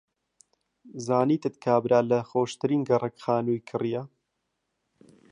زانیتت کابرا لە خۆشترین گەڕەک خانووی کڕییە.